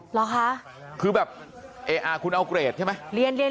เหรอคะคือแบบคุณเอาเกรดใช่ไหม